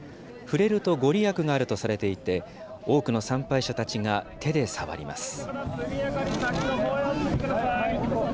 触れると御利益があるとされていて、多くの参拝者たちが手で触ります。